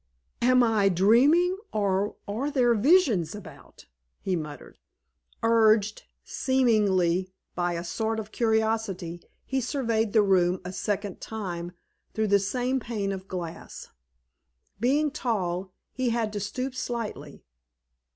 "Am I dreaming, or are there visions about?" he murmured. Urged, seemingly, by a sort of curiosity, he surveyed the room a second time through the same pane of glass. Being tall, he had to stoop slightly.